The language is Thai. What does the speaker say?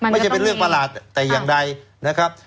เป็นเรื่องประหลาดแต่อย่างใดนะครับ